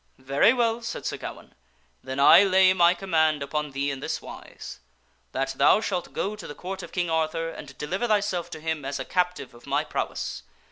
" Very well," said Sir Gawaine ," then I lay my command upon thee in this wise : that thou shalt go to the Court of King Arthur and deliver thyself to him as a captive of my prowess.